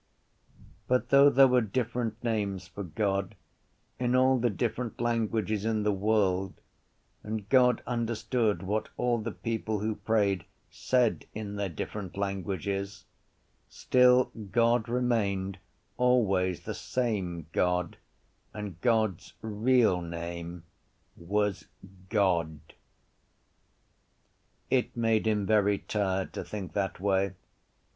But though there were different names for God in all the different languages in the world and God understood what all the people who prayed said in their different languages still God remained always the same God and God’s real name was God. It made him very tired to think that way.